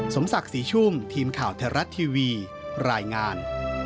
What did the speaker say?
สมศักดิ์ศรีชุ่มทีมข่าวไทยรัฐทีวีรายงาน